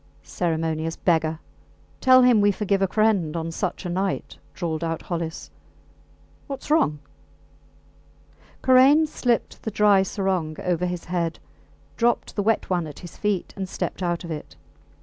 Ceremonious beggar. Tell him we forgive a friend ... on such a night, drawled out Hollis. Whats wrong? Karain slipped the dry sarong over his head, dropped the wet one at his feet, and stepped out of it.